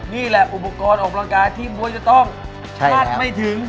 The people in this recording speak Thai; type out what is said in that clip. นี่แหละอุปกรณ์อบรังการที่มัวจะต้องทักไม่ถึง